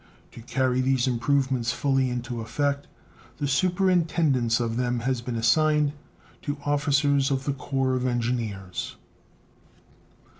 To carry these improvements fully into effect, the superintendence of them has been assigned to officers of the Corps of Engineers.